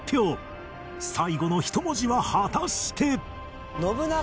最後の１文字は果たして？